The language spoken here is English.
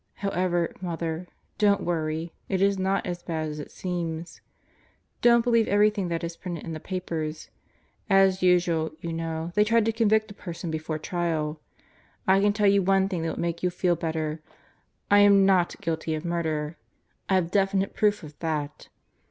However, Mother, don't worry; it is not as bad as it seems. Don't believe everything that is printed in the papers. As usual, you know, they try to convict a person before trial. I can tell you one thing that will make you feel better: I am not guilty of murder I I have definite proof of that.